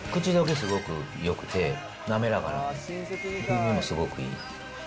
すごくよくて、滑らか、風味もすごくいい。